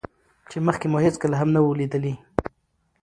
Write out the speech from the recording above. چې مخکې مو هېڅکله هم نه وو ليدلى.